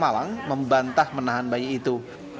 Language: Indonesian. malang membantah menahan bayi itu